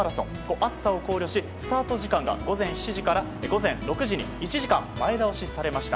暑さを考慮し午前７時から午前６時に１時間前倒しされました。